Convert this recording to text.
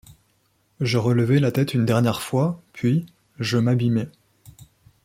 Je relevai la tête une dernière fois, puis, je m’abîmai…